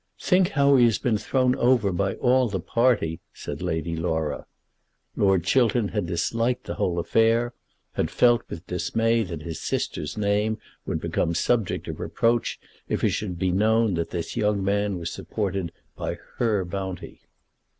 "Think how he has been thrown over by all the party," said Lady Laura. Lord Chiltern had disliked the whole affair, had felt with dismay that his sister's name would become subject to reproach if it should be known that this young man was supported by her bounty.